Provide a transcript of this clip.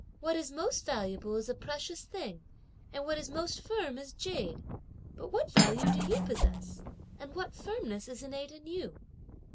What is most valuable is a precious thing; and what is most firm is jade, but what value do you possess and what firmness is innate in you?"